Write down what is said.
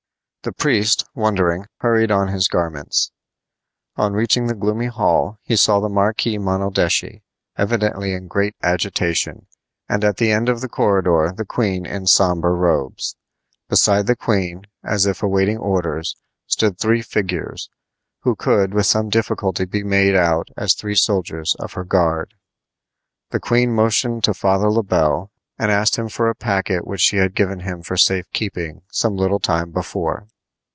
The priest, wondering, hurried on his garments. On reaching the gloomy hall he saw the Marquis Monaldeschi, evidently in great agitation, and at the end of the corridor the queen in somber robes. Beside the queen, as if awaiting orders, stood three figures, who could with some difficulty be made out as three soldiers of her guard. The queen motioned to Father Le Bel and asked him for a packet which she had given him for safe keeping some little time before.